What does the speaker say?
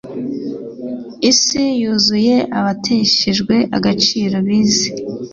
isi yuzuye abateshejwe agaciro bize